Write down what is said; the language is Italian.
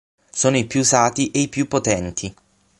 Sono i più usati e i più potenti.